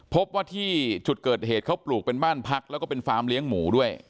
พบว่าที่จุดเกิดเหตุเขาปลูกเป็นบ้านพักแล้วก็เป็นฟาร์มเลี้ยงหมูด้วย